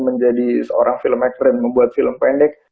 menjadi seorang film expert dan membuat film pendek